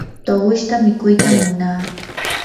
tuqushta mikuytam munaa.